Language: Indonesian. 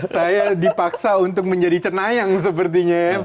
saya dipaksa untuk menjadi cenayang sepertinya ya